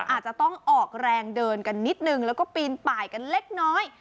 อาจจะต้องออกแรงเดินกันนิดนึงแล้วก็ปีนป่ายกันเล็กน้อย